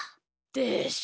でしょ？